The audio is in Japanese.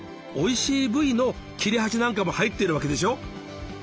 おいしい部位の切れ端なんかも入ってるわけでしょ。